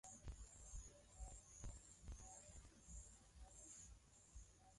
Kirusi Rossiya ni nchi ya Ulaya ya Mashariki